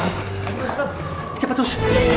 ya ya ya cepet sus